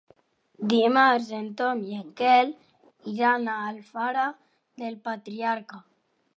Dimarts en Ton i en Quel iran a Alfara del Patriarca.